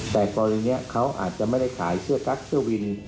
แต่กรณีนี้เขาอาจจะไม่ได้ขายเสื้อกั๊กเสื้อวิน